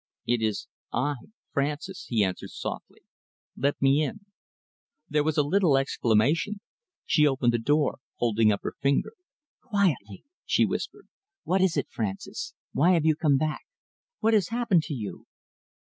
"It is I Francis," he answered softly. "Let me in." There was a little exclamation. She opened the door, holding up her finger. "Quietly," she whispered. "What is it, Francis? Why have you come back? What has happened to you?"